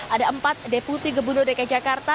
ada empat deputi gubernur dki jakarta